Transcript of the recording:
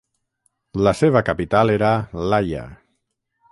La seva capital era l'Haia.